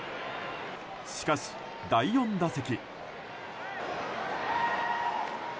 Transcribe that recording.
しかし、第４打席。